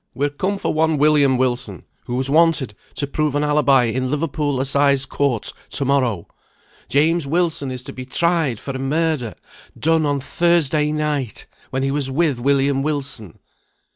"We're come for one William Wilson, who is wanted to prove an alibi in Liverpool Assize Courts to morrow. James Wilson is to be tried for a murder, done on Thursday night, when he was with William Wilson.